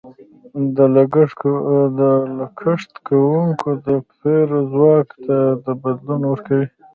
د لګښت کوونکو د پېر ځواک ته بدلون ورکوي.